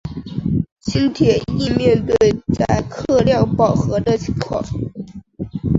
轻铁亦面对载客量饱和的情况。